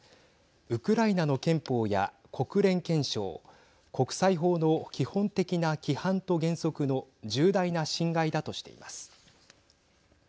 ウクライナの憲法や国連憲章国際法の基本的な規範と原則の重大な侵害だとしています。